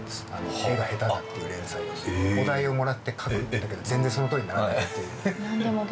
絵が下手だっていう連載をするお題をもらって描くんだけど全然そのとおりにならないっていう